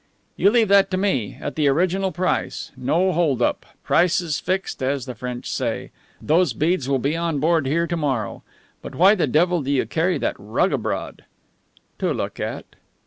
"You leave that to me at the original price. No hold up. Prices fixed, as the French say. Those beads will be on board here to morrow. But why the devil do you carry that rug abroad?" "To look at."